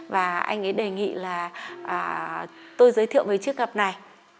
và anh ấy đề nghị là tôi giới thiệu với chiếc cặp này